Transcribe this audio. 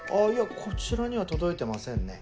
こちらには届いてませんね。